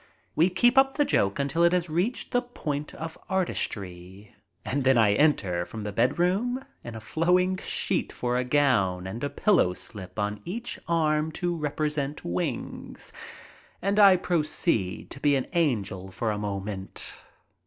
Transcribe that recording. We keep up the joke until it has reached the point of artistry, and then I ente;r from the bedroom in a flowing sheet for a gown and a pillow slip on each arm to represent wings, and I proceed to be an angel for a moment.